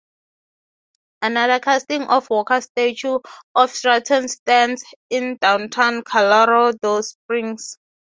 Another casting of Walker's statue of Stratton stands in downtown Colorado Springs.